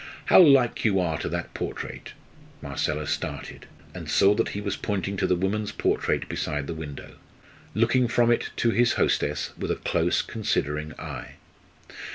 "How like you are to that portrait!" Marcella started, and saw that he was pointing to the woman's portrait beside the window looking from it to his hostess with a close considering eye.